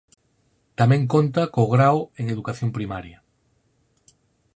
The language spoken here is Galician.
Tamén conta co Grao en Educación Primaria.